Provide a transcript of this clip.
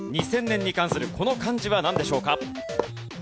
２０００年に関するこの漢字はなんでしょうか？